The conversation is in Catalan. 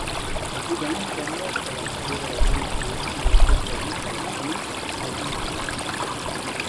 Així doncs, sembla que l'acció de la policia i l'efecte dissuasiu ha funcionat.